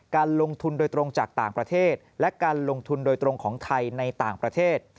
การลงทุนโดยตรงจากต่างประเทศและการลงทุนโดยตรงของไทยในต่างประเทศ